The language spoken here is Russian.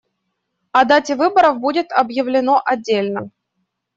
О дате выборов будет объявлено отдельно.